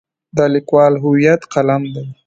د لیکوال هویت قلم دی.